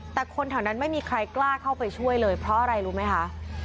แต่คนแถวนั้นไม่มีใครกล้าเข้าไปช่วยเลยเพราะอะไรรู้ไหมคะ